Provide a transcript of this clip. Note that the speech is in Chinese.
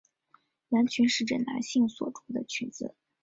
男裙是指男性所着的裙子。